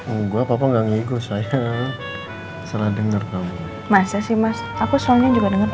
enggak papa nggak ngigo saya salah denger kamu masa sih mas aku soalnya juga denger